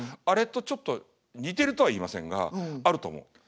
あれとちょっと似てるとは言いませんがあると思う。